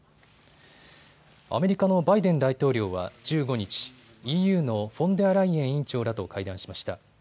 アメリカのバイデン大統領は１５日、ＥＵのフォンデアライエン委員長らと会談しました。